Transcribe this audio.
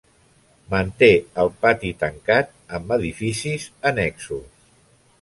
Manté el pati tancat amb edificis annexos.